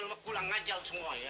lu juga pergi